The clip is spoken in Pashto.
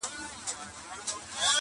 • دودونه بايد بدل سي ژر,